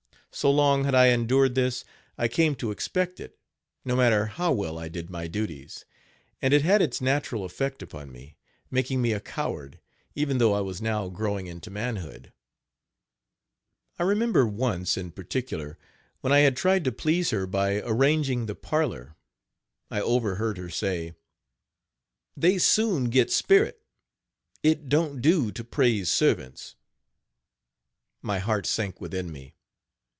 So long had I endured this, I came to expect it, no matter how well I did my duties; and it had its natural effect upon me, making me a coward, even though I was now growing into manhood. I remember once, in particular, when I had tried to please her by arranging the parlor, I overheard her say: "They soon get spirit it don't do to praise servants." My heart sank within me.